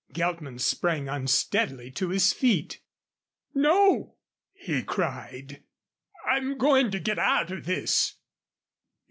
Geltman sprang unsteadily to his feet. "No," he cried. "I'm going to get out of this."